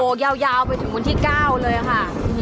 ยาวไปถึงวันที่๙เลยค่ะ